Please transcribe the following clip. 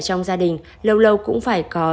trong gia đình lâu lâu cũng phải có